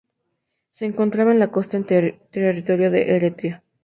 Se encontraba en la costa, en territorio de Eretria.